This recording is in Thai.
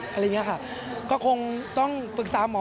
อะไรอย่างนี้ค่ะก็คงต้องปรึกษาหมอ